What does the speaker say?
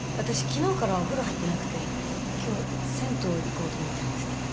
昨日からお風呂入ってなくて今日銭湯行こうと思ってるんですけど。